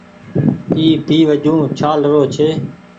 اي پي وجون ڇآل رو ڇي ۔